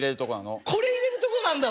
あっこれ入れるとこなんだ。